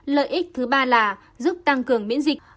lợi ích thứ ba là giúp tăng cường miễn dịch